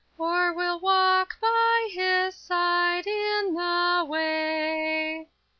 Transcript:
Or we'll walk by His side in the way.